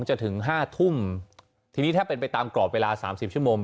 จนถึงห้าทุ่มทีนี้ถ้าเป็นไปตามกรอบเวลาสามสิบชั่วโมง